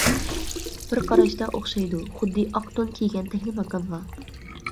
بىر قاراشتا ئوخشايدۇ، خۇددى، ئاق تون كىيگەن تەكلىماكانغا.